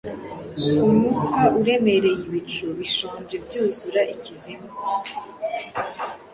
umwuka uremereye, Ibicu bishonje byuzura ikuzimu.